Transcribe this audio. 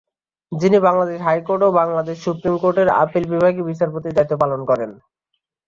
যিনি বাংলাদেশ হাইকোর্ট ও বাংলাদেশ সুপ্রীম কোর্টের আপিল বিভাগে বিচারপতির দায়িত্ব পালন করেন।